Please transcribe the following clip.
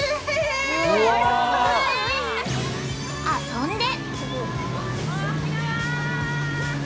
遊んで。